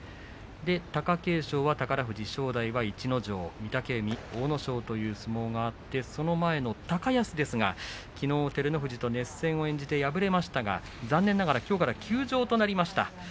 貴景勝は宝富士、正代は逸ノ城御嶽海、阿武咲という相撲があって、その前の高安ですがきのう照ノ富士と熱戦を演じて敗れましたが残念ながらきょうから休場となりました。